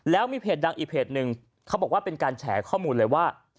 แล้วมีเพจดังอีกเพจนึงเขาบอกว่าเป็นการแฉข้อมูลเลยว่า